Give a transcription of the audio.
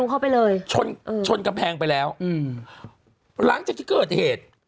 เข้าไปเลยชนชนกำแพงไปแล้วอืมหลังจากที่เกิดเหตุ